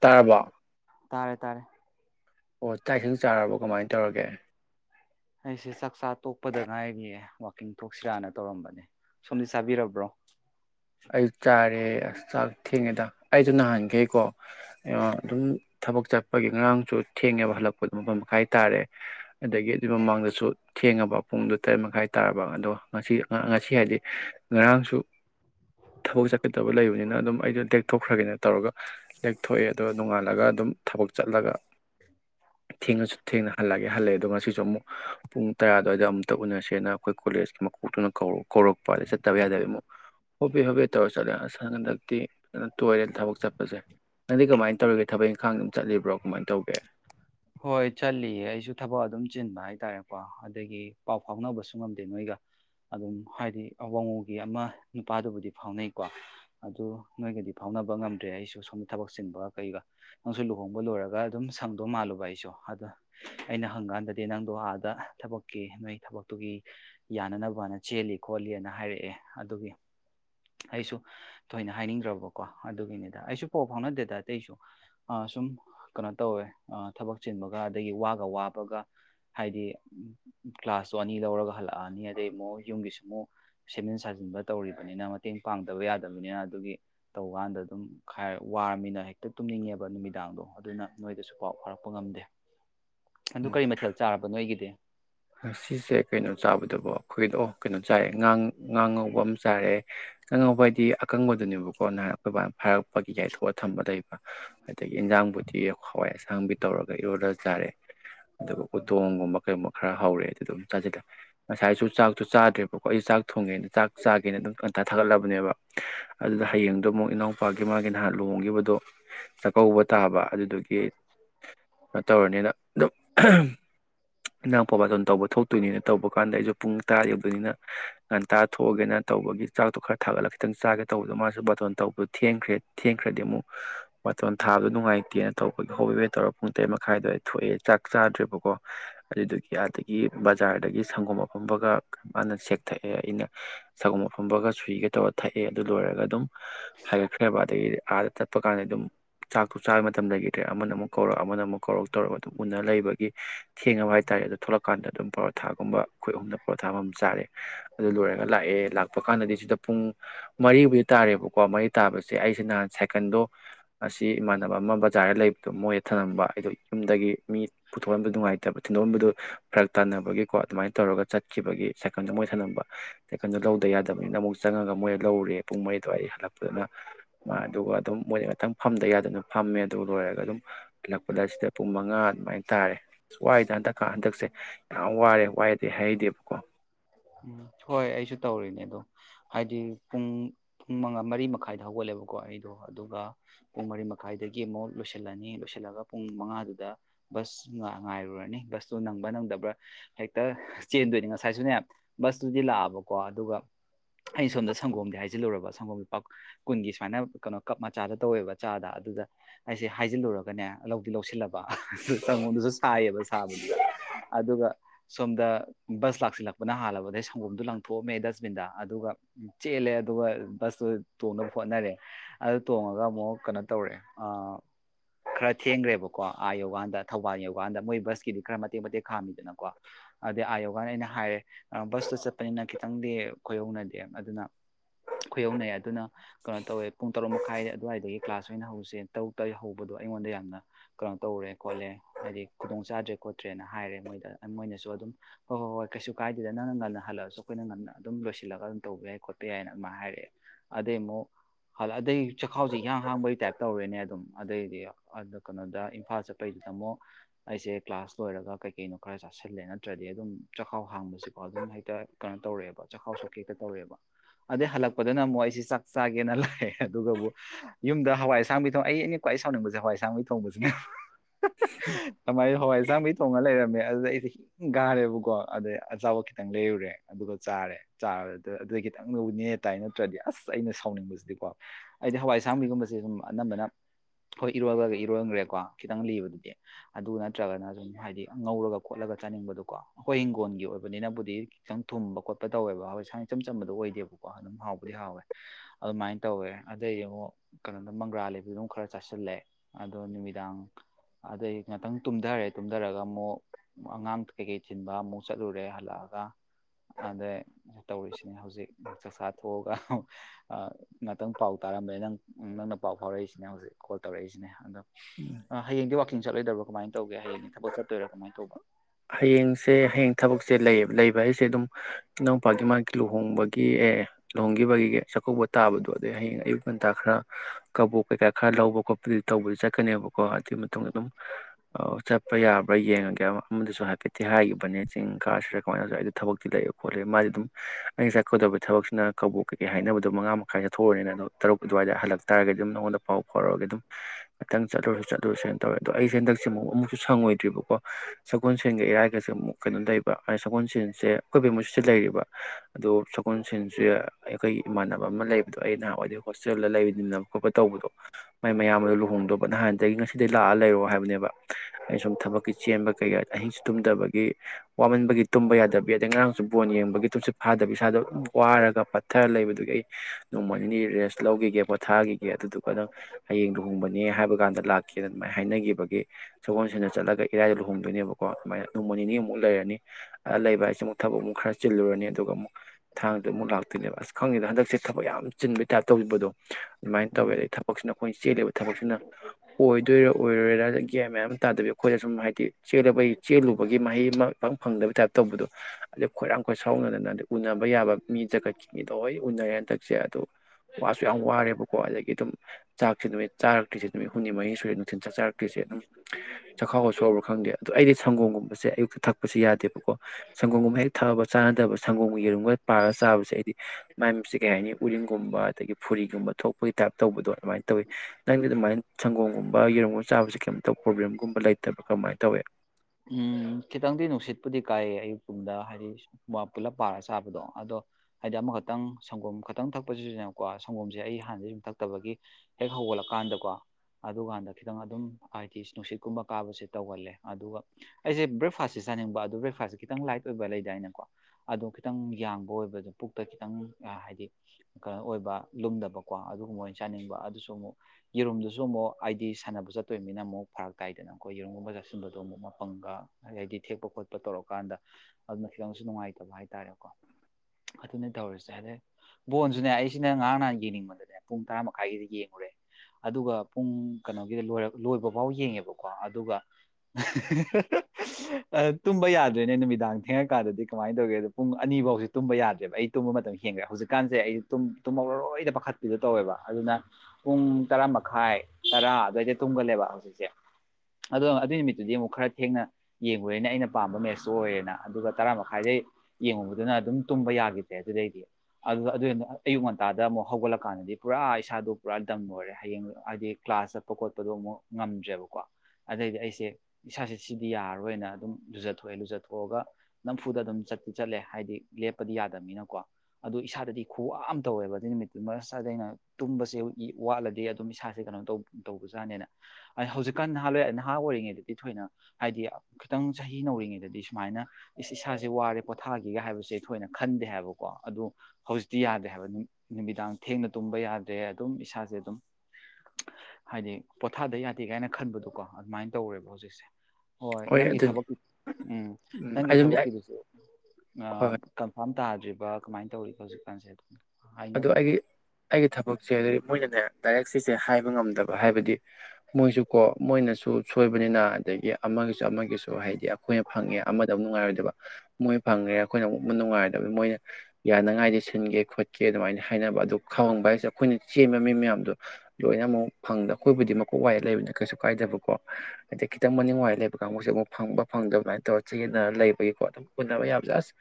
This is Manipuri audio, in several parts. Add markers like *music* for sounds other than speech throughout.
ꯇꯥꯔꯕ ꯇꯥꯔꯦ ꯇꯥꯔꯦ ꯑꯣ ꯇꯥꯏꯁꯤꯡ ꯆꯥꯔꯕꯣ ꯀꯃꯥꯏꯅ ꯇꯧꯔꯒꯦ ꯑꯩꯁꯦ ꯆꯥꯛꯆꯥ ꯇꯣꯛꯄꯗ ꯉꯥꯏꯔꯤꯌꯦ ꯋꯥꯋꯥꯛꯀꯤꯡ ꯊꯣꯛꯁꯤꯔꯥꯅ ꯇꯧꯔꯝꯕꯅꯦ ꯁꯣꯝꯗꯤ ꯆꯥꯕꯤꯔꯕ꯭ꯔꯣ ꯑꯩ ꯆꯥꯔꯦ ꯑꯁ ꯆ ꯊꯦꯡꯉꯦꯗ ꯑꯩꯁꯨ ꯅꯍꯥꯟꯒꯦ ꯀꯩꯀꯣ ꯑꯗꯨꯝ ꯊꯕꯛ ꯆꯠꯄꯒꯤ ꯉꯔꯥꯡꯁꯨ ꯊꯦꯡꯅꯕ ꯍꯜꯂꯛꯄꯗꯣ ꯃꯐꯝ ꯃꯈꯥꯏ ꯇꯥꯔꯦ ꯑꯗꯒꯤ ꯑꯗꯨꯒꯤ ꯃꯃꯥꯡꯗꯁꯨ ꯊꯦꯡꯉꯕ ꯄꯨꯡꯗꯨꯣ ꯇꯔꯦꯠ ꯃꯈꯥꯏ ꯇꯥꯔꯕ ꯑꯗꯣ ꯉꯁꯤ ꯉꯁꯤ ꯍꯥꯏꯗꯤ ꯉꯔꯥꯡꯁꯨ ꯊꯕꯛ ꯆꯠꯀꯗꯕ ꯂꯩꯕꯅꯤꯅ ꯑꯗꯨꯝ ꯑꯩꯗꯣ ꯂꯦꯛꯊꯣꯛꯈ꯭ꯔꯒꯦꯅ ꯇꯧꯔꯒ ꯂꯦꯛꯊꯣꯛꯑꯦ ꯑꯗꯣ ꯅꯣꯡꯉꯥꯜꯂꯒ ꯑꯗꯨꯝ ꯊꯕꯛ ꯆꯠꯂꯒ ꯊꯦꯡꯅꯁꯨ ꯊꯦꯡꯅ ꯍꯜꯂꯛꯑꯒꯦ ꯍꯜꯂꯛꯑꯦ ꯑꯗꯣ ꯉꯁꯤꯁꯨ ꯑꯃꯨꯛ ꯄꯨꯡ ꯇꯔꯥ ꯑꯗꯨꯋꯥꯏꯗ ꯑꯃꯨꯇ ꯎꯅꯁꯦꯅ ꯑꯩꯈꯣꯏ ꯀꯣꯂꯦꯖꯀꯤ ꯃꯀꯣꯛꯇꯨꯅ ꯀꯧꯔꯛꯄꯗꯩ ꯆꯠꯇꯕ ꯌꯥꯗꯕ ꯑꯃꯨꯛ ꯍꯣꯕꯤ ꯍꯣꯕꯤ ꯇꯧꯔ ꯆꯠꯂꯦ ꯑ ꯍꯟꯗꯛꯇꯤ ꯇꯣꯏꯔꯦꯠ ꯊꯕꯛ ꯆꯠꯄꯁꯦ ꯅꯪꯗꯤ ꯀꯃꯥꯏꯅ ꯇꯧꯔꯤꯒꯦ ꯊꯕꯛ ꯏꯪꯈꯥꯡ ꯑꯗꯨꯝ ꯆꯠꯂꯤꯕ꯭ꯔꯣ ꯀꯃꯥꯏꯅ ꯇꯧꯒꯦ ꯍꯣꯏ ꯆꯠꯂꯤꯌꯦ ꯑꯩꯁꯨ ꯊꯕꯛ ꯑꯗꯨꯝ ꯆꯤꯟꯕ ꯍꯥꯏꯇꯥꯔꯦꯀꯣ ꯑꯗꯒꯤ ꯄꯥꯎ ꯐꯥꯎꯅꯕꯁꯨ ꯉꯝꯗꯦ ꯅꯣꯏꯒ ꯑꯗꯨꯝ ꯍꯥꯏꯗꯤ ꯑꯕꯡꯉꯨꯒꯤ ꯑꯃ ꯅꯨꯄꯥꯗꯨꯕꯨꯗꯤ ꯐꯥꯎꯅꯩꯀꯣ ꯑꯗꯨ ꯅꯣꯏꯒꯗꯤ ꯐꯥꯎꯅꯕ ꯉꯝꯗ꯭ꯔꯦ ꯑꯩꯁꯨ ꯁꯣꯝꯗ ꯊꯕꯛ ꯆꯤꯟꯕ ꯀꯩꯒ ꯅꯪꯁꯨ ꯂꯨꯍꯣꯡꯕ ꯂꯣꯏꯔꯒ ꯑꯗꯨꯝ ꯁꯪꯗꯧ ꯃꯥꯜꯂꯨꯕ ꯑꯩꯁꯦ ꯑꯩ ꯑꯗ ꯑꯩꯅ ꯍꯪꯀꯥꯟꯗꯗꯤ ꯅꯪꯗꯣ ꯑꯥꯗ ꯊꯕꯛꯀꯤ ꯅꯣꯏ ꯊꯕꯛꯇꯨꯒꯤ ꯌꯥꯅꯅꯕꯅ ꯆꯦꯜꯂꯤ ꯈꯣꯠꯂꯤꯑꯅ ꯍꯥꯏꯔꯛꯑꯦ ꯑꯗꯨꯒꯤ ꯑꯩꯁꯨ ꯊꯣꯏꯅ ꯍꯥꯏꯅꯤꯡꯗ꯭ꯔꯕꯀꯣ ꯑꯗꯨꯒꯤꯅꯤꯗ ꯑꯩꯁꯨ ꯄꯥꯎ ꯐꯥꯎꯅꯗꯦꯗ ꯑꯇꯩꯁꯨ ꯁꯨꯝ ꯀꯩꯅꯣ ꯇꯧꯋꯦ ꯊꯕꯛ ꯆꯤꯟꯕꯒ ꯑꯗꯒꯤ ꯋꯥꯒ ꯋꯥꯕꯒ ꯍꯥꯏꯗꯤ ꯀ꯭ꯂꯥꯁꯇꯣ ꯑꯅꯤ ꯂꯧꯔꯒ ꯍꯜꯂꯛꯑꯅꯤ ꯑꯗꯩ ꯑꯃꯨꯛ ꯌꯨꯝꯒꯤꯁꯨ ꯑꯃꯨꯛ ꯁꯦꯝꯖꯤꯟ ꯁꯥꯖꯤꯟꯕ ꯇꯧꯔꯤꯕꯅꯤꯅ ꯃꯇꯦꯡ ꯄꯥꯡꯗꯕ ꯌꯥꯗꯕꯅꯤꯅ ꯑꯗꯨꯒꯤ ꯇꯧꯀꯥꯟꯗ ꯑꯗꯨꯝ ꯈ ꯋꯥꯔꯃꯤꯅ ꯍꯦꯛꯇ ꯇꯨꯝꯅꯤꯡꯉꯦꯕ ꯅꯨꯃꯤꯗꯥꯡꯗꯣ ꯑꯗꯨꯅ ꯅꯣꯏꯗꯁꯨ ꯄꯥꯎ ꯐꯔ ꯊꯣꯛꯄ ꯉꯝꯗꯦ ꯑꯗꯨ ꯀꯔꯤ ꯃꯊꯦꯜ ꯆꯥꯔꯕ ꯅꯣꯏꯒꯤꯗꯤ ꯉꯁꯤꯁꯦ ꯀꯩꯅꯣ ꯆꯥꯕꯗꯨꯕꯨ ꯑꯩꯈꯣꯏꯗꯣ ꯀꯩꯅꯣ ꯆꯥꯏꯔꯦ ꯉꯥꯡ ꯉꯧꯕ ꯑꯃ ꯆꯥꯔꯦ ꯉꯥ ꯉꯧꯕ ꯍꯥꯏꯗꯤ ꯑꯀꯪꯕꯗꯨꯅꯦꯕꯀꯣ ꯅꯍꯥꯟꯅ ꯑꯩꯈꯣꯏꯕꯥꯅ ꯐꯥꯔꯛꯄꯒꯤ ꯌꯥꯏꯊꯣꯛꯑ ꯊꯝꯕ ꯂꯩꯕ ꯑꯗꯒꯤ ꯏꯟꯖꯥꯡꯕꯨꯗꯤ ꯍꯋꯥꯏ ꯑꯁꯥꯡꯕꯤ ꯇꯧꯔꯒ ꯏꯔꯣꯜꯂ ꯆꯥꯔꯦ ꯑꯗꯨꯒ ꯎꯇꯣꯡꯒꯨꯝꯕ ꯀꯃꯣ ꯈꯔ ꯍꯧꯔꯦ ꯑꯗꯨ ꯑꯗꯨꯝ ꯆꯥꯁꯤꯜꯂ ꯉꯁꯥꯏꯁꯨ ꯆꯥꯛꯇꯣ ꯆꯥꯗ꯭ꯔꯦꯕꯀꯣ ꯑꯩ ꯆꯥꯛ ꯊꯣꯡꯒꯦꯅ ꯆꯥꯛ ꯆꯥꯒꯦꯅ ꯑꯗꯨꯝ ꯑꯟꯇ ꯊꯥꯒꯠꯂꯕꯅꯦꯕ ꯑꯗꯨꯗ ꯍꯌꯦꯡꯗꯣ ꯑꯃꯨꯛ ꯏꯅꯥꯎꯄꯥꯀꯤ ꯃꯥꯒꯤ ꯅꯍꯥꯟ ꯂꯨꯍꯣꯡꯈꯤꯕꯗꯣ ꯆꯥꯛꯀꯧꯕ ꯇꯥꯕ ꯑꯗꯨꯗꯨꯗꯒꯤ ꯀꯩꯅꯣ ꯇꯧꯔꯅꯤꯅ ꯑꯗꯨꯝ ꯏꯅꯥꯛꯄ ꯕꯥꯇꯣꯟ ꯇꯧꯕ ꯊꯣꯛꯇꯣꯏꯅꯤꯅ ꯇꯧꯕ ꯀꯥꯟꯗ ꯑꯩꯁꯨ ꯄꯨꯡ ꯇꯔꯥ ꯌꯧꯗꯣꯏꯅꯤꯅ ꯅꯥꯟ ꯇꯔꯥ ꯊꯣꯛꯑꯒꯦꯅ ꯇꯧꯕꯒꯤ ꯆꯥꯛꯇꯣ ꯈꯔ ꯊꯥꯒꯠꯂꯒ ꯈꯤꯇꯪ ꯆꯥꯒꯦ ꯇꯧꯕꯗꯣ ꯃꯥꯁꯨ ꯕꯥꯇꯣꯟ ꯇꯧꯕꯗꯣ ꯊꯦꯡꯈ꯭ꯔꯦ ꯊꯦꯡꯈ꯭ꯔꯗꯤ ꯑꯃꯨꯛ ꯕꯥꯇꯣꯟ ꯊꯥꯕꯗꯣ ꯅꯨꯡꯉꯥꯏꯇꯦꯅ ꯇꯧꯕꯒꯤ ꯍꯣꯤ ꯋꯦꯠ ꯇꯧꯔꯒ ꯄꯨꯡ ꯇꯔꯦꯠ ꯃꯈꯥꯏꯗꯣ ꯑꯩ ꯊꯣꯛꯑꯦ ꯆꯥꯛ ꯆꯥꯗ꯭ꯔꯦꯕꯀꯣ ꯑꯗꯨꯗꯨꯒꯤ ꯑꯥꯗꯒꯤ ꯕꯖꯥꯔꯗꯒꯤ ꯁꯪꯒꯣꯝ ꯑꯐꯝꯕꯒ ꯀ ꯃꯥꯅ ꯆꯦꯛ ꯊꯛꯑꯦ ꯑꯩꯅ ꯁꯪꯒꯣꯝ ꯑꯐꯝꯕꯒ ꯁꯨꯏꯒ ꯇꯧꯔ ꯊꯛꯑꯦ ꯑꯗꯨ ꯂꯣꯏꯔꯒ ꯑꯗꯨꯝ ꯍꯥꯏꯒꯠꯈ꯭ꯔꯦꯕ ꯑꯗꯒꯤꯗꯤ ꯑꯥꯗ ꯇꯠꯄ ꯀꯥꯟꯗ ꯑꯗꯨꯝ ꯆꯥꯛꯇꯣ ꯆꯥꯕ ꯃꯇꯝ ꯂꯩꯈꯤꯗ꯭ꯔꯦ ꯑꯃꯅ ꯑꯃꯨꯛ ꯀꯧꯔꯛ ꯑꯃꯅ ꯑꯃꯨꯛ ꯀꯧꯔꯛ ꯇꯧꯔꯒ ꯑꯗꯨꯝ ꯎꯟꯅ ꯂꯩꯕꯒꯤ ꯊꯦꯡꯉꯕ ꯍꯥꯏ ꯍꯥꯏꯇꯥꯔꯦ ꯑꯗꯣ ꯊꯣꯛꯂꯛꯀꯥꯟꯗ ꯑꯗꯨꯝ ꯄꯣꯔꯣꯊꯥꯒꯨꯝ ꯑꯩꯈꯣꯏ ꯑꯍꯨꯝ ꯄꯣꯔꯣꯊꯥ ꯑꯃꯝ ꯆꯥꯔꯦ ꯑꯗꯨ ꯂꯣꯏꯔꯒ ꯂꯥꯛꯑꯦ ꯂꯥꯛꯄ ꯀꯥꯟꯗꯗꯤ ꯁꯤꯗ ꯄꯨꯡ ꯃꯔꯤꯕꯨꯗꯤ ꯇꯥꯔꯦꯕꯀꯣ ꯃꯔꯤ ꯇꯥꯕꯁꯦ ꯑꯩꯁꯤꯅ ꯁꯥꯏꯀꯜꯗꯣ ꯑꯁꯤ ꯏꯃꯥꯟꯅꯕ ꯑꯃ ꯕꯖꯥꯔꯗ ꯂꯩꯕ ꯑꯣ ꯃꯣꯏꯗ ꯊꯝꯂꯝꯝꯕ ꯍꯥꯏꯗꯣ ꯌꯨꯝꯗꯒꯤ ꯃꯤ ꯄꯨꯊꯣꯛꯂꯝꯟꯕ ꯅꯨꯡꯉꯥꯏꯇꯕꯗꯣ ꯊꯤꯟꯗꯣꯟꯕꯗꯨ ꯐꯔꯛ ꯇꯥꯟꯅꯕꯒꯤꯀꯣ ꯑꯗꯨꯃꯥꯏꯅ ꯇꯧꯔꯒ ꯆꯠꯈꯤꯕꯒꯤ ꯁꯥꯏꯀꯜꯁ ꯃꯣꯏ ꯊꯅꯕ ꯀꯟꯗꯣ ꯂꯧꯗ ꯌꯥꯗꯕꯅꯤꯅ ꯑꯃꯨꯛ ꯆꯪꯉꯒ ꯃꯣꯏꯗ ꯂꯧꯔꯦ ꯄꯨꯡ ꯃꯔꯤ ꯑꯗꯨꯋꯥꯏꯗ ꯍꯜꯂꯛꯄꯗꯨꯅ ꯃꯥ ꯑꯗꯨꯒ ꯑꯗꯨꯝ ꯃꯣꯏꯗ ꯉꯇꯪ ꯐꯝꯗ ꯌꯥꯗꯅ ꯐꯝꯃꯦ ꯑꯗꯨ ꯂꯣꯏꯔꯒ ꯑꯗꯨꯝ ꯍꯜꯂꯛꯄꯗ ꯁꯤꯗ ꯄꯨꯡ ꯃꯉꯥ ꯑꯗꯨꯃꯥꯏꯅ ꯇꯥꯔꯦ ꯋꯥꯏꯗ ꯍꯟꯗꯛꯀ ꯍꯟꯗꯛꯁꯦ ꯌꯥꯝ ꯋꯥꯔꯦ ꯋꯥꯏꯗꯤ ꯍꯩꯗꯦꯕꯀꯣ ꯎꯝ ꯍꯣꯏ ꯑꯩꯁꯨ ꯇꯧꯔꯤꯅꯦ ꯑꯗꯣ ꯍꯥꯏꯗꯤ ꯄꯨꯡ ꯄꯨꯡ ꯃꯉꯥ ꯃꯔꯤ ꯃꯈꯥꯏꯗ ꯍꯧꯒꯠꯂꯦꯕꯀꯣ ꯑꯩꯗꯣ ꯑꯗꯨꯒ ꯄꯨꯡ ꯃꯔꯤ ꯃꯈꯥꯏꯗꯒꯤ ꯑꯃꯨꯛ ꯂꯣꯏꯁꯤꯜꯂꯅꯤ ꯂꯣꯏꯁꯤꯜꯂꯒ ꯄꯨꯡ ꯃꯉꯥꯗꯨꯗ ꯕꯁ ꯉꯥꯏꯔꯨꯔꯅꯤ ꯕꯁꯇꯨ ꯅꯪꯕ ꯅꯪꯗꯕ꯭ꯔꯥ ꯍꯦꯛꯇ ꯆꯦꯟꯗꯣꯏꯅꯤ ꯉꯁꯥꯏꯁꯨꯅꯦ ꯕꯁꯇꯨꯗꯤ ꯂꯥꯛꯑꯕꯀꯣ ꯑꯗꯨꯒ ꯑꯩ ꯁꯣꯝꯗ ꯁꯪꯒꯣꯝꯗꯤ ꯍꯥꯏꯖꯤꯜꯂꯨꯔꯕ ꯁꯪꯒꯣꯝ ꯂꯨꯄꯥ ꯀꯨꯟꯒꯤ ꯁꯨꯃꯥꯏꯅ ꯀꯩꯅꯣ ꯀꯞ ꯃꯆꯥꯗ ꯇꯧꯋꯦꯕ ꯆꯥꯗ ꯑꯗꯨꯗ ꯑꯩꯁꯦ ꯍꯥꯏꯖꯤꯜꯂꯨꯔꯒꯅꯦ ꯂꯧꯗꯤ ꯂꯧꯁꯤꯜꯂꯕ ꯄ ꯆꯪꯒꯣꯝꯗꯨꯁꯨ ꯁꯥꯏꯌꯦꯕ ꯁꯥꯕꯗꯨꯗ ꯑꯗꯨꯒ ꯁꯣꯝꯗ ꯕꯁ ꯂꯥꯛꯁꯤꯂꯛ ꯅ ꯍꯥꯜꯂꯕ ꯑꯗꯩ ꯁꯪꯒꯣꯝꯗꯣ ꯂꯪꯊꯣꯛꯑꯝꯃꯦ ꯗꯁꯕꯤꯟꯗ ꯑꯗꯨꯒ ꯆꯦꯜꯂꯦ ꯑꯗꯨꯒ ꯕꯁꯇꯨ ꯇꯣꯡꯅꯕ ꯍꯣꯠꯅꯔꯦ ꯑꯗꯨ ꯇꯣꯡꯉꯒ ꯑꯃꯨꯛ ꯀꯩꯅꯣ ꯇꯧꯔꯦ ꯈꯔ ꯊꯦꯡꯈ꯭ꯔꯦꯕꯀꯣ ꯑꯥ ꯌꯧꯀꯥꯟꯗ ꯊꯧꯕꯥꯜ ꯌꯧꯀꯥꯟꯗ ꯃꯣꯏ ꯕꯁꯀꯤꯗꯤ ꯈꯔ ꯃꯇꯦꯛ ꯃꯇꯦꯛ ꯈꯥꯝꯃꯤꯗꯅꯀꯣ ꯑꯗꯩ ꯑꯥ ꯌꯧꯒꯥꯟꯗ ꯑꯩꯅ ꯍꯥꯏꯔꯦ ꯕꯁꯇꯣ ꯆꯠꯄꯅꯤꯅ ꯈꯤꯇꯪꯗꯤ ꯈꯣꯌꯧꯅꯗꯦ ꯑꯗꯨꯅ ꯈꯣꯌꯧꯅꯩ ꯑꯗꯨꯅ ꯀꯩꯅꯣ ꯇꯧꯋꯦ ꯄꯨꯡ ꯇꯔꯨꯛ ꯃꯈꯥꯏꯗ ꯑꯗꯨꯋꯥꯏꯗꯒꯤ ꯀ꯭ꯂꯥꯁ ꯑꯣꯏꯅ ꯍꯧꯁꯦ ꯇꯔꯨꯛ ꯇꯩ ꯍꯧꯕꯗꯣ ꯑꯩꯉꯣꯟꯗ ꯌꯥꯝꯅ ꯀꯩꯅꯣ ꯇꯧꯔꯦ ꯈꯣꯠꯂꯦ ꯍꯥꯏꯗꯤ ꯈꯨꯗꯣꯡ ꯆꯥꯗ꯭ꯔꯦ ꯈꯣꯠꯇ꯭ꯔꯦꯅ ꯍꯥꯏꯔꯦ ꯃꯣꯏꯗ ꯃꯣꯏꯅꯁꯨ ꯑꯗꯨꯝ ꯍꯣꯏ ꯍꯣꯏ ꯍꯣꯏ ꯀꯩ ꯀꯥꯏꯗꯦꯗ ꯅꯪꯅ ꯉꯟꯅ ꯍꯜꯂꯛꯑꯁꯨ ꯑꯩꯈꯣꯏꯅ ꯉꯟꯅ ꯑꯗꯨꯝ ꯂꯣꯏꯁꯤꯜꯂꯒ ꯑꯗꯨꯝ ꯇꯧꯕ ꯌꯥꯏ ꯈꯣꯠꯄ ꯌꯥꯏꯅ ꯑꯗꯨꯃꯥꯏꯅ ꯍꯥꯏꯔꯛꯑꯦ ꯑꯗꯩ ꯑꯃꯨꯛ ꯍꯂ ꯑꯗꯩ ꯆꯈꯥꯎꯁꯦ ꯍꯤꯌꯥꯡ ꯍꯥꯡꯕꯒꯤ ꯇꯥꯏꯞ ꯇꯧꯔꯦꯅꯦ ꯑꯗꯨꯝ ꯑꯗꯩꯗꯤ ꯑꯗ ꯀꯩꯅꯣꯗ ꯏꯝꯐꯥꯜ ꯆꯠꯄꯩꯗꯨꯗ ꯑꯃꯨꯛ ꯑꯩꯁꯦ ꯀ꯭ꯂꯥꯁ ꯂꯣꯏꯔꯒ ꯀꯩꯀꯩꯅꯣ ꯈꯔ ꯆꯥꯁꯤꯜꯂꯦ ꯅꯠꯇ꯭ꯔꯗꯤ ꯑꯗꯨꯝ ꯆꯥꯛꯈꯥꯎ ꯍꯥꯡꯕꯁꯤꯀꯣ ꯑꯗꯨꯝ ꯍꯦꯛꯇ ꯀꯩꯅꯣ ꯇꯧꯔꯛꯌꯦꯕ ꯆꯥꯛꯈꯥꯎ ꯁꯣꯛꯀꯦ ꯍꯦꯛꯇ ꯇꯧꯔꯦ ꯑꯗꯩ ꯍꯂꯛꯄꯗꯅ ꯑꯃꯨꯛ ꯑꯩꯁꯦ ꯆꯥꯛ ꯆꯥꯒꯦꯅ ꯂꯥꯛꯑꯦ ꯑꯗꯨꯒꯕꯨ ꯌꯨꯝꯗ ꯍꯋꯥꯏ ꯑꯁꯥꯡꯕꯤ ꯊꯣꯡ ꯑꯩ ꯑꯩꯅ ꯈ꯭ꯋꯥꯏ ꯁꯥꯎꯅꯤꯡꯕꯁꯦ ꯍꯋꯥꯏ ꯑꯁꯥꯡꯕꯤ ꯊꯣꯡꯕꯁꯤꯅꯦ ꯀꯃꯥꯏ ꯍꯋꯥꯏ ꯑꯁꯥꯡꯕꯤ ꯊꯣꯡꯉ ꯂꯩꯔꯝꯃꯦ ꯑꯗꯨꯗ ꯑꯩꯗꯤ ꯍꯤꯡ ꯀꯥꯔꯦꯕꯀꯣ ꯑꯗꯩ ꯑꯆꯥꯄꯣꯠ ꯈꯤꯇꯪ ꯂꯩꯔꯨꯔꯦ ꯑꯗꯨꯒ ꯆꯥꯔꯦ ꯆꯥꯗ ꯑꯗꯨꯗꯩꯩ ꯈꯤꯇꯪ ꯅꯦ ꯇꯥꯏ ꯅꯠꯇ꯭ꯔꯗꯤ ꯑꯁ ꯑꯩꯅ ꯁꯥꯎꯅꯤꯡꯕꯁꯤꯗꯤꯀꯣ ꯍꯥꯏꯗꯤ ꯍꯋꯥꯏ ꯑꯁꯥꯡꯕꯤꯒꯨꯝꯕꯁꯦ ꯁꯨꯝ ꯑꯅꯝꯕꯅ ꯍꯣꯏ ꯏꯔꯣꯜꯂꯒ ꯏꯔꯣꯟꯈ꯭ꯔꯦꯀꯣ ꯈꯤꯇꯪ ꯂꯤꯕꯗꯨꯗꯤ ꯑꯗꯨ ꯅꯠꯇ꯭ꯔꯒꯅ ꯁꯨꯝ ꯍꯥꯏꯗꯤ ꯉꯧꯔꯒ ꯈꯣꯠꯂꯒ ꯆꯥꯅꯤꯡꯕꯗꯨꯀꯣ ꯍꯣꯏ ꯍꯤꯡꯒꯣꯜꯒꯤ ꯑꯣꯏꯕꯅꯤꯅꯕꯨꯗꯤ ꯈꯤꯇꯪ ꯊꯨꯝꯕ ꯈꯣꯠꯄ ꯇꯧꯋꯦꯕ ꯍꯧꯑꯋꯤꯁꯥꯡ ꯏꯆꯝ ꯆꯝꯕꯗꯣ ꯑꯣꯏꯗꯦꯕꯀꯣ ꯑꯗꯨꯝ ꯍꯥꯎꯕꯨꯗꯤ ꯍꯥꯎꯋꯦ ꯑꯗꯨꯃꯥꯏꯅ ꯇꯧꯋꯦ ꯑꯗꯩꯗꯤ ꯑꯃꯨꯛ ꯀꯩꯅꯣꯗ ꯃꯪꯒ꯭ꯔꯥ ꯂꯩꯕꯗꯨ ꯑꯃꯣꯛ ꯈꯔ ꯆꯥꯁꯤꯜꯂꯑꯦ ꯑꯗꯣ ꯅꯨꯃꯤꯗꯥꯡ ꯑꯗꯩ ꯉꯥꯛꯇꯪ ꯇꯨꯝꯗꯔꯦ ꯇꯨꯝꯗꯔꯒ ꯑꯃꯨꯛ ꯑꯉꯥꯡ ꯀꯩꯀꯩ ꯊꯤꯟꯕ ꯑꯃꯨꯛ ꯆꯠꯂꯨꯔꯦ ꯍꯜꯂꯛꯑꯒ ꯑꯗꯩ ꯇꯧꯔꯤꯁꯤꯅꯦ ꯍꯧꯖꯤꯛ ꯆꯥꯛꯆꯥꯥ ꯊꯣꯛꯑꯒ ꯉꯥꯛꯇꯪ ꯄꯥꯎ ꯇꯥꯔꯝꯃꯦ ꯅꯪ ꯅꯪꯅ ꯄꯥꯎ ꯐꯥꯎꯔꯛꯏꯁꯤꯅꯦ ꯍꯧꯖꯤꯛ ꯀꯣꯜ ꯇꯧꯔꯛꯏꯁꯤꯅꯦ ꯑꯗꯣ ꯑ ꯍꯌꯦꯡꯗꯤ ꯋꯥꯛ ꯆꯠꯂꯣꯏꯗꯕꯣ ꯀꯃꯥꯏꯅ ꯇꯧꯒꯦ ꯍꯌꯦꯡ ꯊꯥꯕꯛ ꯆꯠꯇꯣꯏꯔꯥ ꯀꯃꯥꯏ ꯇꯧꯕ ꯍꯌꯦꯡꯁꯦ ꯍꯌꯦꯡ ꯊꯕꯛꯁꯦ ꯂꯩꯌꯦꯕ ꯂꯩꯕ ꯍꯥꯏꯁꯦ ꯑꯗꯨꯝ ꯏꯅꯥꯎꯄꯥꯒꯤ ꯃꯥꯒꯤ ꯂꯨꯍꯣꯡꯕꯒꯤ ꯑꯦ ꯑꯦ ꯂꯣꯍꯣꯡꯒꯤꯕꯒꯤ ꯆꯥꯛꯀꯧꯕ ꯇꯥꯕꯗꯣ ꯑꯗꯨꯏ ꯍꯌꯦꯡ ꯑꯌꯨꯛ ꯉꯟꯇꯥ ꯈꯔ ꯀꯕꯣꯛ ꯀꯩꯀꯥ ꯈꯔ ꯂꯧꯕ ꯈꯣꯠꯄꯗꯨ ꯇꯧꯕꯗꯤ ꯆꯠꯀꯅꯦꯕꯀꯣ ꯑꯗꯨꯒꯤ ꯃꯇꯨꯡꯗ ꯑꯗꯨꯝ ꯆꯠꯄ ꯌꯥꯕ꯭ꯔꯥ ꯌꯦꯡꯉꯒꯦ ꯑꯃ ꯑꯃꯗꯁꯨ ꯍꯥꯏꯐꯦꯠꯇꯤ ꯍꯥꯏꯈꯤꯕꯅꯦ ꯆꯤꯡ ꯀꯥꯁꯤꯔꯥ ꯀꯃꯥꯏꯅꯁꯨ ꯑꯩꯗꯣ ꯊꯕꯛꯇꯤ ꯂꯩ ꯈꯣꯠꯂꯦ ꯃꯥꯗꯤ ꯑꯗꯨꯝ ꯑꯩꯅ ꯉꯥꯁꯥꯏ ꯀꯣꯗꯕꯩ ꯊꯕꯛꯁꯤꯅ ꯀꯕꯣꯛ ꯀꯩꯀꯩ ꯍꯥꯏꯅꯕꯗꯣ ꯃꯉꯥ ꯃꯈꯥꯏꯗ ꯊꯣꯛꯎꯔꯅꯤꯅ ꯑꯗꯣ ꯇꯔꯨꯛ ꯑꯗꯨꯋꯥꯏꯗ ꯍꯜꯂꯛ ꯇꯥꯔꯗꯤ ꯑꯗꯨꯝ ꯅꯉꯣꯟꯗ ꯄꯥꯎ ꯐꯥꯎꯔꯛꯑꯒ ꯑꯗꯨꯝ ꯈꯤꯇꯪ ꯆꯠꯂꯨꯔꯁꯨ ꯆꯠꯂꯨꯔꯁꯨꯦꯅ ꯇꯧꯋꯦ ꯑꯗꯣ ꯑꯩꯁꯦ ꯍꯟꯗꯛꯁꯦꯨꯛ ꯑꯃꯨꯛꯁꯨ ꯁꯪꯉꯣꯏꯗ꯭ꯔꯤꯕꯀꯣ ꯁꯒꯣꯜꯁꯦꯟꯒ ꯏꯔꯥꯏꯒꯁꯦ ꯑꯃꯨꯛ ꯀꯩꯅꯣ ꯂꯩꯕ ꯑ ꯁꯒꯣꯜꯁꯦꯟꯁꯦ ꯑꯩꯈꯣꯏꯕ ꯕꯦꯝꯃꯁꯤꯁꯨ ꯂꯩꯔꯤꯕ ꯑꯗꯣ ꯁꯒꯣꯜꯁꯦꯟꯁꯦ ꯑꯩꯈꯣꯏꯒꯤ ꯏꯃꯥꯟꯅꯕ ꯑꯃ ꯂꯩꯕꯗꯣ ꯑꯩ ꯅꯍꯥꯟꯋꯥꯗꯤ ꯍꯣꯁꯇꯦꯜꯗ ꯂꯩꯕꯅꯤꯟꯅꯕ ꯈꯣꯠꯄ ꯇꯧꯕꯗꯣ ꯃꯥꯏ ꯃꯌꯥꯝꯗꯤ ꯂꯨꯍꯣꯡꯗꯕ ꯅꯍꯥꯟꯗꯒꯤ ꯉꯁꯤꯗꯩꯩ ꯂꯥꯛꯑ ꯂꯩꯔꯣ ꯍꯥꯏꯕꯅꯦꯕ ꯑꯩꯅ ꯁꯨꯝ ꯊꯕꯛꯀꯤ ꯆꯦꯟꯕ ꯀꯩꯒꯤꯍꯥꯏꯗꯤ ꯑꯍꯤꯡꯁꯨ ꯇꯨꯝꯗꯕꯒꯤ ꯋꯥꯃꯟꯕꯒꯤ ꯇꯨꯝꯕ ꯌꯥꯗꯕꯤ ꯑꯗꯩ ꯉꯔꯥꯡꯁꯨ ꯕꯣꯟ ꯌꯦꯡꯕꯒꯤ ꯇꯨꯝꯁꯤꯠ ꯐꯥꯗꯕꯤ ꯏꯁꯥꯗꯣ ꯋꯥꯔꯒ ꯄꯠꯊꯔ ꯂꯩꯕꯗꯨꯒꯤ ꯑꯩ ꯅꯣꯡꯃ ꯅꯤꯅꯤ ꯔꯦꯁ ꯂꯧꯈꯤꯒꯦ ꯄꯣꯊꯥꯈꯤꯒꯦ ꯑꯗꯨꯗꯨꯒ ꯅꯪ ꯍꯌꯦꯡ ꯂꯨꯍꯣꯡꯕꯅꯦ ꯍꯥꯏꯕ ꯀꯥꯟꯗ ꯂꯥꯛꯀꯦꯅ ꯑꯗꯨꯃꯥꯏꯅ ꯍꯥꯏꯅꯒꯤꯈꯤꯕꯒꯤ ꯁꯒꯣꯜꯁꯦꯟꯗ ꯆꯠꯂꯒ ꯏꯔꯥꯏꯗ ꯂꯨ ꯍꯣꯡꯗꯣꯏꯅꯦꯕꯀꯣ ꯑꯗꯨꯃꯥꯏꯅ ꯅꯣꯡꯃ ꯅꯤꯅꯤ ꯑꯃꯨꯛ ꯂꯩꯔꯅꯤ ꯑꯗ ꯂꯩꯕ ꯍꯥꯏꯁꯦ ꯑꯃꯨꯛ ꯊꯕꯛ ꯈꯔ ꯑꯃꯨꯛ ꯆꯤꯜꯂꯨꯔꯅꯤ ꯑꯗꯨꯒ ꯑꯃꯨꯛ ꯊꯥꯡꯗ ꯑꯃꯨꯛ ꯂꯥꯛꯇꯣꯏꯅꯦꯕ ꯑꯁ ꯈꯪꯗꯦꯗꯥ ꯍꯟꯗꯛꯁꯤ ꯊꯕꯛ ꯌꯥꯝ ꯆꯤꯟꯕꯩ ꯇꯥꯏꯞ ꯇꯧꯒꯤꯕꯗꯣ ꯑꯗꯨꯃꯥꯏꯟ ꯎꯝ ꯇꯧꯋꯦ ꯑꯗꯩ ꯊꯕꯛꯁꯤꯅ ꯑꯩꯈꯣꯏꯅ ꯆꯦꯜꯂꯤꯕ ꯊꯕꯛꯁꯤꯅ ꯑꯣꯏꯗꯣꯏꯔꯥ ꯑꯣꯏꯔꯣꯏꯔꯥ ꯒ꯭ꯌꯥꯟ ꯃ꯭ꯌꯥꯟ ꯑꯝ ꯇꯥꯗꯕꯤ ꯑꯩꯈꯣꯏꯗ ꯁꯨꯝ ꯍꯥꯏ *inaudible* ꯆꯦꯜꯂꯕꯩ ꯆꯦꯜꯂꯨꯕꯒꯤ ꯃꯍꯩꯪ ꯑꯃ ꯏꯐꯪꯐꯪꯗꯕꯩ ꯇꯥꯏꯞ ꯇꯧꯕꯗꯣ ꯑꯗꯩ ꯈꯣꯏꯔꯥꯡ ꯈꯣꯏꯁꯥꯎꯅꯗꯅ ꯑꯗ ꯎꯅꯕ ꯌꯥꯕ ꯃꯤ ꯖꯒꯠꯀꯤ ꯃꯤ ꯂꯣꯏ ꯎꯅꯔꯦ ꯍꯟꯗꯛꯁꯦ ꯑꯗꯣ ꯋꯥꯁꯨ ꯌꯥꯝ ꯋꯥꯔꯦꯕꯀꯣ ꯑꯗꯒꯤ ꯑꯗꯨꯝ ꯆꯥꯛꯁꯦ ꯅꯨꯃꯤꯠ ꯆꯥꯔꯛꯇ꯭ꯔꯤꯁꯦ ꯅꯨꯃꯤꯠ ꯍꯨꯝꯅꯤ ꯃꯔꯤꯅꯤ ꯁꯨꯔꯦ ꯅꯨꯡꯊꯤꯜ ꯆꯥꯛ ꯆꯥꯔꯛꯇ꯭ꯔꯤꯁꯦ ꯑꯗꯨꯝ ꯆꯥꯛꯈꯥꯎꯒ ꯁꯣꯛꯑꯕ꯭ꯔꯥ ꯈꯪꯗꯦ ꯑꯗꯣ ꯑꯩꯗꯤ ꯁꯪꯒꯣꯝꯒꯨꯝꯕꯁꯦ ꯑꯌꯨꯛꯇ ꯊꯛꯄꯁꯤ ꯌꯥꯗꯦꯕꯀꯣ ꯁꯪꯒꯣꯝꯒꯨꯝꯕ ꯍꯦꯛ ꯊꯛꯑꯕ ꯆꯥꯅꯗꯕ ꯁꯪꯒꯣꯝꯒ ꯌꯦꯔꯨꯝꯒ ꯄꯥꯔꯒ ꯆꯥꯕꯁꯦ ꯑꯩꯗꯤ ꯃꯥꯏꯁꯦ ꯀꯩ ꯍꯥꯏꯅꯤ ꯎꯔꯤꯡꯒꯨꯝꯕ ꯑꯗꯒꯤ ꯐꯨꯔꯤꯒꯨꯝꯕ ꯊꯣꯛꯄꯒꯤ ꯇꯥꯏꯞ ꯇꯧꯕꯗꯣ ꯑꯗꯨꯃꯥꯏꯅ ꯇꯧꯋꯤ ꯅꯪꯗꯤ ꯑꯗꯨꯃꯥꯏꯅ ꯁꯪꯒꯣꯝꯒꯨꯝꯕ ꯌꯦꯔꯨꯝꯒꯨꯝꯕ ꯆꯥꯕꯁꯤ ꯀꯝ ꯇꯧ ꯄ꯭ꯔꯣꯕ꯭ꯂꯦꯝꯒꯨꯝꯕ ꯂꯩꯇꯕ ꯀꯔꯃꯥꯏꯅ ꯇꯧꯋꯦ ꯎꯝ ꯈꯤꯇꯪꯗꯤ ꯅꯨꯡꯁꯤꯠꯄꯨꯗꯤ ꯀꯥꯏꯌꯦ ꯑꯌꯨꯛ ꯄꯨꯝꯕꯗ ꯍꯥꯏꯗꯤ ꯄꯨꯂꯞ ꯄꯥꯔꯒ ꯆꯥꯕꯗꯣ ꯑꯗꯣ ꯍꯥꯏꯗꯤ ꯑꯃꯈꯛꯇꯪ ꯁꯪꯒꯣꯝ ꯈꯛꯇꯪ ꯊꯛꯄꯁꯤꯁꯨꯅꯦꯀꯣ ꯁꯪꯒꯣꯝꯁꯦ ꯑꯩ ꯍꯥꯟꯅꯩ ꯁꯨꯝ ꯊꯛꯇꯕꯒꯤ ꯍꯦꯛ ꯍꯧꯒꯠꯂꯀꯥꯟꯗꯀꯣ ꯑꯗꯨꯀꯥꯟꯗ ꯈꯤꯇꯪ ꯑꯗꯨꯝ ꯍꯥꯏꯗꯤ ꯅꯨꯡꯁꯤꯠꯀꯨꯝꯕ ꯀꯥꯕꯁꯦ ꯇꯧꯒꯜꯂꯦ ꯑꯗꯨꯒ ꯑꯩꯁꯦ ꯕ꯭ꯔꯦꯛꯐꯥꯁꯁꯦ ꯆꯥꯅꯤꯡꯕ ꯑꯗꯨꯗꯣ ꯕ꯭ꯔꯦꯛꯐꯥꯁꯁꯦ ꯈꯤꯇꯪ ꯂꯥꯏꯠ ꯑꯣꯏꯕ ꯂꯩꯗꯥꯏꯅꯀꯣ ꯑꯗꯣ ꯈꯤꯇꯪ ꯌꯥꯡꯕ ꯑꯣꯏꯕꯗꯣ ꯄꯨꯛꯇ ꯈꯤꯇꯪ ꯍꯥꯏꯗꯤ ꯀꯩꯅꯣ ꯑꯣꯏꯕ ꯂꯨꯝꯗꯕꯀꯣ ꯑꯗꯨꯒꯨꯝꯕ ꯑꯣꯏꯅ ꯆꯥꯅꯤꯡꯕ ꯑꯗꯨꯁꯨ ꯑꯃꯨꯛ ꯌꯦꯔꯨꯝꯗꯨꯁꯨ ꯑꯃꯨꯛ ꯑꯥꯏꯗꯤ ꯁꯥꯟꯅꯕ ꯆꯠꯇꯣꯏꯅꯤꯅ ꯑꯃꯨꯛ ꯐꯔꯛ ꯇꯥꯏꯗꯅꯀꯣ ꯌꯦꯔꯨꯝꯒꯨꯝꯕ ꯆꯥꯁꯤꯟꯕꯗꯣ ꯑꯃꯨꯛ ꯐꯪꯒ ꯑꯗꯩꯩꯗꯤ ꯊꯦꯛꯄ ꯈꯣꯠꯄ ꯇꯧꯔꯀꯥꯟꯗ ꯑꯗꯨꯅ ꯈꯤꯇꯪꯁꯨ ꯅꯨꯡꯉꯥꯏꯇꯕ ꯍꯥꯏꯇꯥꯔꯦꯀꯣ ꯑꯗꯨꯅ ꯇꯧꯔꯤꯁꯦ ꯑꯗꯩ ꯕꯣꯟꯁꯨꯅꯦ ꯑꯩꯁꯤꯅ ꯉꯔꯥꯡ ꯅꯍꯥꯟ ꯌꯦꯡꯅꯤꯡꯕꯗꯅꯦ ꯄꯨꯡ ꯇꯔꯥ ꯃꯈꯥꯏꯒꯤꯗ ꯌꯦꯡꯉꯨꯔꯦ ꯑꯗꯨꯒ ꯄꯨꯡ ꯀꯩꯅꯣꯒꯤꯗ ꯂꯣꯏꯕꯐꯥꯎ ꯌꯦꯡꯉꯦꯕꯀꯣ ꯑꯗꯨꯒ ꯇꯨꯝꯕ ꯌꯥꯗ꯭ꯔꯦꯅꯦ ꯅꯨꯃꯤꯗꯥꯡ ꯊꯦꯡꯉꯛꯀꯥꯟꯗꯗꯤ ꯀꯃꯥꯏꯟ ꯇꯧꯒꯦ ꯑꯗꯣ ꯄꯨꯡ ꯑꯅꯤꯐꯥꯎꯁꯦ ꯇꯨꯝꯕ ꯌꯥꯗ꯭ꯔꯦꯕ ꯑꯩ ꯇꯨꯝꯕ ꯃꯇꯝ ꯍꯦꯡꯈ꯭ꯔꯦ ꯍꯧꯖꯤꯛꯀꯥꯟꯁꯦ ꯑꯩꯗꯤ ꯇꯨꯝꯃꯧꯔꯔꯣꯏꯗ ꯄꯥꯈꯠꯄꯤꯗꯣ ꯇꯧꯋꯦꯕ ꯑꯗꯨꯅ ꯄꯨꯡ ꯇꯔꯥ ꯃꯈꯥꯏ ꯇꯔꯥ ꯑꯗꯨꯋꯥꯏꯗꯦ ꯇꯨꯝꯒꯜꯂꯦꯕ ꯍꯧꯖꯤꯛꯁꯦ ꯑꯗꯣ ꯑꯗꯨꯏ ꯅꯨꯃꯤꯠꯇꯨꯗꯤ ꯑꯃꯨꯛ ꯈꯔ ꯊꯦꯡꯅ ꯌꯦꯡꯉꯨꯔꯦꯅꯦ ꯑꯩꯅ ꯄꯥꯝꯕ ꯃꯦꯠꯁꯇꯨ ꯑꯣꯏꯔꯦꯅ ꯑꯗꯨꯒ ꯇꯔꯥ ꯃꯈꯥꯏꯗꯩ ꯌꯦꯡꯉꯨꯕꯗꯨꯅ ꯑꯗꯨꯝ ꯇꯨꯝꯕ ꯌꯥꯈꯤꯗ꯭ꯔꯦ ꯑꯗꯨꯗꯩꯗꯤ ꯑꯗꯨ ꯑꯗꯨ ꯑꯌꯨꯛ ꯉꯟꯇꯥꯗ ꯑꯃꯨꯛ ꯍꯧꯒꯠꯂꯀꯥꯟꯗꯗꯤ ꯄꯨꯔꯥ ꯏꯁꯥꯗꯣ ꯄꯨꯔꯥ ꯗꯝ ꯂꯣꯏꯔꯦ ꯍꯌꯦꯡ ꯍꯥꯏꯗꯤ ꯀ꯭ꯂꯥꯁ ꯆꯠꯄ ꯈꯣꯠꯄꯗꯣ ꯑꯃꯨꯛ ꯉꯝꯗ꯭ꯔꯦꯕꯀꯣ ꯑꯗꯩꯗꯤ ꯑꯩꯁꯦ ꯏꯁꯥꯁꯦ ꯁꯤꯗꯤ ꯌꯥꯔꯔꯣꯏꯅ ꯑꯗꯨꯝ ꯂꯨꯖꯊꯣꯛꯑꯦ ꯂꯨꯖꯠꯊꯣꯛꯑꯒ ꯅꯝꯐꯨꯗ ꯑꯗꯨꯝ ꯆꯠꯇꯤ ꯆꯠꯂꯦ ꯍꯥꯏꯗꯤ ꯂꯦꯞꯄꯗꯤ ꯌꯥꯗꯝꯃꯤꯅꯀꯣ ꯑꯗꯣ ꯏꯁꯥꯗꯗꯤ ꯈꯨꯋꯥ ꯑꯝ ꯇꯧꯋꯦꯕ ꯑꯗꯨꯏ ꯅꯨꯃꯤꯠꯇꯨ ꯃꯔ ꯆ꯭ꯋꯥꯏꯗꯩꯅ ꯇꯨꯝꯕꯁꯦ ꯋꯥꯠꯂꯗꯤ ꯑꯗꯨꯝ ꯏꯁꯥꯁꯦ ꯀꯩꯅꯣ ꯇꯧ ꯇꯧꯕꯖꯥꯠꯅꯦꯅ ꯍꯧꯖꯤꯛꯀꯥꯟ ꯅꯍꯥꯟꯋꯥ ꯅꯍꯥ ꯑꯣꯏꯔꯤꯉꯩꯗꯗꯤ ꯊꯣꯏꯅ ꯍꯥꯏꯗꯤ ꯈꯤꯇꯪ ꯆꯍꯤ ꯅꯧꯔꯤꯉꯩꯗꯗꯤ ꯁꯨꯃꯥꯏꯅ ꯏꯁꯥꯁꯦ ꯋꯥꯔꯦ ꯄꯣꯊꯥꯒꯦꯒ ꯍꯥꯏꯕꯁꯦ ꯊꯣꯏꯅ ꯈꯟꯗꯦ ꯍꯥꯏꯕꯀꯣ ꯑꯗꯨꯗ ꯍꯧꯖꯤꯛꯇꯤ ꯌꯥꯗ꯭ꯔꯦ ꯍꯥꯏꯕ ꯅꯨꯃꯤꯗꯥꯡ ꯊꯦꯡꯅ ꯇꯨꯝꯕ ꯌꯥꯗ꯭ꯔꯦ ꯑꯗꯨꯝ ꯏꯁꯥꯁꯦ ꯑꯗꯨꯝ ꯍꯥꯏꯗꯤ ꯄꯣꯊꯥꯗ ꯌꯥꯗꯦ ꯀꯥꯏꯅ ꯈꯟꯕꯗꯣꯀꯣ ꯑꯗꯨꯃꯥꯏꯅ ꯇꯧꯔꯦꯕ ꯍꯧꯖꯤꯛꯁꯦ ꯍꯣꯏ ꯅꯪꯒꯤ ꯊꯕꯛ ꯎꯝ ꯅꯪꯒꯤ ꯊꯕꯛꯀꯤꯗꯨꯁꯨ ꯍꯣꯏ ꯑꯥ ꯍꯣꯏ ꯀꯟꯐꯥꯔꯝ ꯇꯥꯗ꯭ꯔꯤ ꯀꯃꯥꯏ ꯇꯧꯔꯤ ꯍꯧꯖꯤꯛꯀꯥꯟꯁꯦ ꯑꯗꯨꯝ ꯑꯗꯨ ꯍꯥꯏꯅꯕꯗꯤ ꯑꯩꯒꯤ ꯑꯩꯒꯤ ꯊꯕꯛꯁꯦ ꯑꯗꯒꯤ ꯃꯣꯏꯅꯅꯦ ꯗꯥꯏꯔꯦꯛ ꯁꯤꯁꯦ ꯍꯥꯏꯕ ꯉꯝꯗꯕ ꯍꯥꯏꯕꯗꯤ ꯃꯣꯏꯁꯨ ꯀꯣ ꯃꯣꯏꯅꯁꯨ ꯁꯣꯏꯕꯅꯤꯅ ꯑꯗꯒꯤ ꯑꯃꯒꯤꯁꯨ ꯑꯃꯒꯤꯁꯨ ꯍꯥꯏꯗꯤ ꯑꯩꯈꯣꯏꯅ ꯐꯪꯉꯦ ꯑꯃꯗ ꯑꯃꯨꯛ ꯅꯨꯡꯉꯥꯏꯔꯣꯏꯗꯕ ꯃꯣꯏ ꯐꯪꯉꯦ ꯑꯩꯈꯣꯏꯅ ꯑꯃꯨꯛꯅ ꯅꯨꯡꯉꯥꯏꯗꯕ ꯃꯣꯏꯅ ꯌꯥꯅꯉꯥꯏꯗꯤ ꯁꯤꯟꯒꯦ ꯈ ꯀꯦ ꯑꯗꯨꯃꯥꯏꯅ ꯍꯥꯏꯅꯕ ꯑꯗꯨ ꯈꯪꯍꯪꯕ ꯍꯥꯏꯁꯦ ꯑꯩꯈꯣꯏꯅ ꯆꯦꯟꯕ ꯃꯤ ꯃꯌꯥꯝꯗꯣ ꯂꯣꯏꯅ ꯑꯃꯨꯛ ꯐꯪꯗ ꯑꯩꯈꯣꯏꯕꯨꯗꯤ ꯃꯀꯣꯛ ꯋꯥꯏꯗ ꯂꯩꯕꯅꯤ ꯀꯩꯁꯨ ꯀꯥꯏꯗꯕꯀꯣ ꯍꯥꯏꯗꯤ ꯈꯤꯇꯪ ꯃꯅꯤꯡ ꯋꯥꯉꯥꯏ ꯂꯩꯕ ꯀꯥꯡꯕꯨꯁꯦ ꯑꯃꯨꯛ ꯐꯪꯕ ꯐꯪꯗꯕ ꯑꯗꯨꯃꯥꯏꯅ ꯇꯧꯔꯒ ꯆꯌꯦꯗꯅ ꯂꯩꯕꯒꯤꯀꯣ ꯑꯗꯨꯝ ꯎꯅꯕ ꯌꯥꯝ ꯖꯁ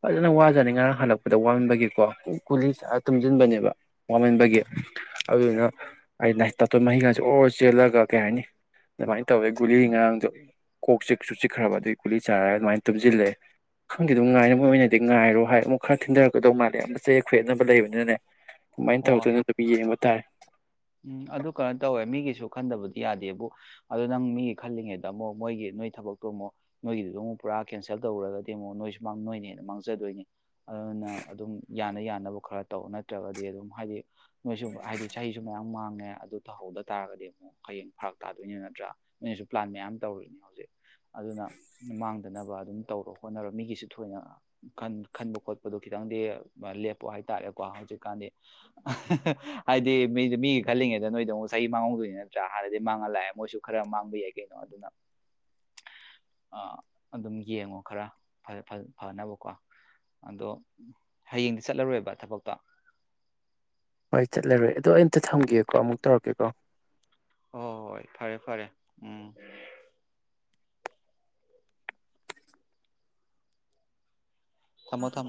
ꯐꯖꯅ ꯋꯥꯖꯅꯤ ꯉꯔꯥꯡ ꯍꯜꯂꯛꯄꯗ ꯋꯥꯟꯕꯒꯤꯀꯣ ꯀꯨꯂꯤ ꯇꯨꯝꯁꯤꯟꯕꯅꯦꯕ ꯋꯥꯃꯟꯕꯒꯤ ꯑꯗꯨꯅ ꯑꯩ ꯇꯥꯇꯣꯟ ꯃꯍꯤꯒꯥꯁꯦ ꯑꯣꯔ ꯆꯦꯜꯂꯒ ꯀꯩ ꯍꯥꯏꯔꯅꯤ ꯑꯗꯨꯃꯥꯏꯅ ꯇꯧꯋꯦ ꯒꯨꯂꯤ ꯉꯥꯡꯗꯣ ꯀꯣꯛ ꯆꯤꯛꯁꯨ ꯆꯤꯛꯈ꯭ꯔꯕ ꯑꯗꯨꯒꯤ ꯒꯨꯂꯤ ꯆꯥꯔꯒ ꯑꯗꯨꯃꯥꯏꯅ ꯇꯨꯝꯁꯤꯜꯂꯛꯑꯦ ꯈꯪꯗꯦ ꯑꯗꯨꯝ ꯎꯝ ꯉꯥꯏꯅꯕ ꯃ ꯑꯣꯏꯅꯗꯤ ꯉꯥꯏꯔꯣ ꯍꯥꯏ ꯑꯃꯨꯛ ꯈꯔ ꯊꯤꯟꯊꯔꯛꯀꯗꯧ ꯃꯥꯜꯂꯦ ꯑ ꯆꯦ ꯈꯣꯏꯦꯠꯅꯕ ꯂꯩꯕꯅꯤꯅꯅꯦ ꯀꯃꯥꯏꯅ ꯍꯣꯏ ꯇꯧꯗꯣꯏꯅꯣ ꯑꯗꯨꯕꯨ ꯌꯦꯡꯕ ꯇꯥꯔꯦ ꯎꯝ ꯑꯗꯨ ꯀꯩꯅꯣ ꯇꯧꯋꯦ ꯃꯤꯒꯤꯁꯨ ꯈꯟꯗꯕꯗꯤ ꯌꯥꯗꯦꯕꯨ ꯑꯗꯨ ꯅꯪ ꯃꯤꯒꯤ ꯈꯜꯂꯤꯉꯩꯗ ꯑꯃꯨꯛ ꯃꯣꯏꯒꯤ ꯅꯣꯏ ꯊꯕꯛꯇꯨ ꯑꯃꯨꯛ ꯅꯣꯏꯒꯤꯗꯨꯗ ꯑꯃꯨꯛ ꯄꯨꯔꯥ ꯀꯦꯟꯁꯦꯜ ꯇꯧꯔꯒꯗꯤ ꯑꯃꯨꯛ ꯅꯣꯏꯁꯨ ꯃꯥꯡꯗꯣꯏꯅꯦꯅ ꯃꯥꯡꯖꯗꯣꯏꯅꯤ ꯑꯗꯨꯅꯪ ꯑꯗꯨꯝ ꯌꯥꯅ ꯌꯥꯅꯕ ꯈꯔ ꯇꯧ ꯅꯠꯇ꯭ꯔꯒꯗꯤ ꯑꯗꯨꯝ ꯍꯥꯏꯗꯤ ꯅꯣꯏꯁꯨ ꯍꯥꯏꯗꯤ ꯆꯍꯤ ꯁꯨ ꯃꯌꯥꯝ ꯃꯥꯡꯉꯦ ꯑꯗꯨ ꯇꯧꯍꯧꯗ ꯇꯥꯔꯒꯗꯤ ꯑꯃꯨꯛ ꯍꯌꯦꯡ ꯐꯔꯛ ꯇꯥꯗꯣꯏꯅꯤ ꯅꯠꯇ꯭ꯔꯥ ꯅꯣꯏꯁꯨ ꯄ꯭ꯂꯥꯟ ꯃꯌꯥꯝ ꯇꯧꯔꯤꯅꯦ ꯍꯧꯖꯤꯛ ꯑꯗꯨꯅ ꯃꯥꯡꯗꯅꯕ ꯑꯗꯨꯝ ꯇꯧꯔꯣ ꯍꯣꯠꯅꯔ ꯃꯤꯒꯤꯁꯨ ꯊꯣꯏꯅ ꯈꯟꯕ ꯈꯣꯠꯄꯗꯣ ꯈꯤꯇꯪꯗꯤ ꯂꯦꯞꯄꯣ ꯍꯥꯏꯇꯥꯔꯦꯀꯣ ꯍꯧꯖꯤꯛꯀꯥꯟꯗꯤ ꯍꯥꯏꯗꯤ ꯃꯤꯗꯨ ꯃꯤꯒꯤ ꯈꯜꯂꯤꯉꯦꯗ ꯅꯣꯏꯗꯣ ꯑꯃꯨꯛ ꯆꯍꯤ ꯃꯥꯡꯍꯧꯗꯣꯏꯅꯤ ꯅꯠꯇ꯭ꯔꯥ ꯍꯥꯟꯅꯗꯤ ꯃꯥꯡꯍꯜ ꯂꯥꯛꯑꯦ ꯃꯣꯏꯁꯨ ꯈꯔ ꯃꯥꯡꯕ ꯌꯥꯏ ꯀꯩꯅꯣ ꯑꯗꯨꯅ ꯑꯗꯨꯝ ꯌꯦꯡꯉꯣ ꯈꯔ ꯐꯅꯕꯀꯣ ꯑꯗꯣ ꯍꯌꯦꯡꯗꯤ ꯆꯠꯂꯔꯣꯏꯕ ꯊꯕꯛꯇꯣ ꯍꯣꯏ ꯆꯠꯂꯔꯣꯏ ꯑꯗꯣ ꯑꯩꯝꯇ ꯊꯝꯒꯦꯀꯣ ꯑꯃꯨꯛ ꯇꯧꯔꯛꯀꯦꯀꯣ ꯍꯣꯏ ꯍꯣꯏ ꯐꯔꯦ ꯐꯔꯦ ꯎꯝ ꯊꯃꯣ ꯊꯝ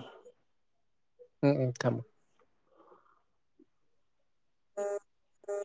ꯎꯝ ꯎꯝ ꯊꯝꯃꯣ ꯎꯝ ꯎꯝ